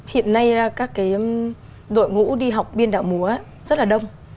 hiện nay các cái đội ngũ đi học biên đạo múa rất là đông